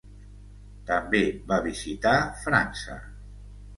També va visitar França.